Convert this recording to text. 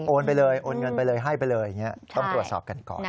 ไปเลยโอนเงินไปเลยให้ไปเลยอย่างนี้ต้องตรวจสอบกันก่อน